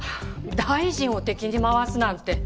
大臣を敵に回すなんて。